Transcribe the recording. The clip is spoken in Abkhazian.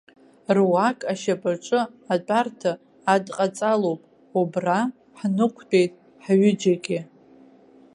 Руак ашьапаҿы атәарҭа адҟаҵалоуп, убра ҳнықәтәеит ҳҩыџьагьы.